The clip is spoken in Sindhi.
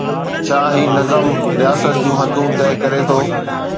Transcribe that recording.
ڇا هي نظم رياست جون حدون طئي ڪري ٿو؟